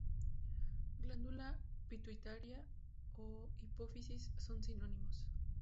Glándula pituitaria o hipófisis son sinónimos.